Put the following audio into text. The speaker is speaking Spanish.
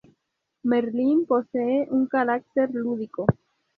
Merlin posee un carácter lúdico.